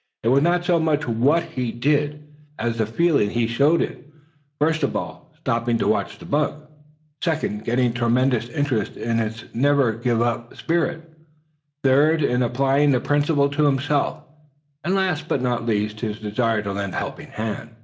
It was not so much what he did, as the feeling he showed in, first of all, stopping to watch the bug; second, getting tremendously interested in its never give up spirit; third, in applying the principal to himself; and last but not least, his desire to lend a helping hand.